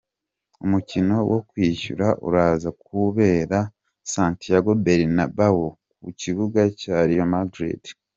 Umukino wo kwishyura uraza kubera Santiago Bernabeo ku kibuga cya real Madrid.